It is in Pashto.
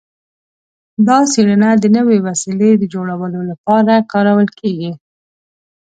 دا څیړنه د نوې وسیلې د جوړولو لپاره کارول کیږي.